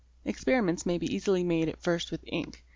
Experiments may be easily made at first with ink.